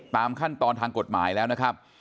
ตามขั้นตอนทางกฎหมายแล้วนะครับ